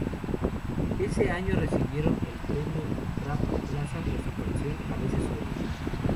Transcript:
Ese año recibieron el premio Rap Plaza por su canción "A veces sueño".